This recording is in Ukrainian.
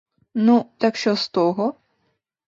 Ну, так що з того?